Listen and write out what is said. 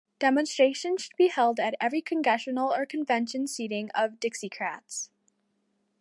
Demonstrations should be held at every Congressional or convention seating of Dixiecrats.